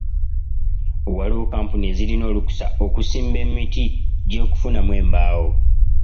Waliwo kkampuni ezirina olukusa okusimba emiti gy'okufunamu embaawo.